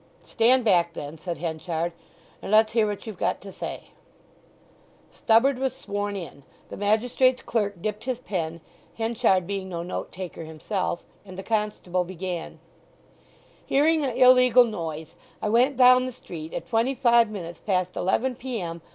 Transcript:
"Stand back then," said Henchard, "and let's hear what you've got to say." Stubberd was sworn in, the magistrate's clerk dipped his pen, Henchard being no note taker himself, and the constable began— "Hearing a' illegal noise I went down the street at twenty five minutes past eleven P.M.